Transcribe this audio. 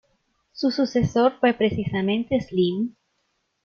Su sucesor fue precisamente Slim.